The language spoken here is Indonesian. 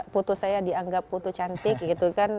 foto saya dianggap foto cantik gitu kan